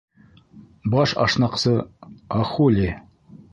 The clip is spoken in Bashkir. Баш ашнаҡсы Ахули: